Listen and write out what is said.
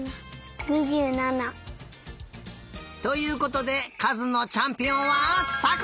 ２７。ということでかずのちゃんぴおんはさくら！